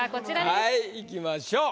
はいいきましょう。